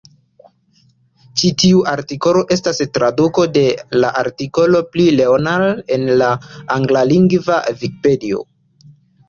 Ĉi tiu artikolo estas traduko de la artikolo pri Leonhard en la anglalingva Vikipedio.